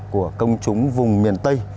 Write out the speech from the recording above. của công chúng vùng miền tây